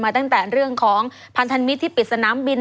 ตั้งแต่เรื่องของพันธมิตรที่ปิดสนามบิน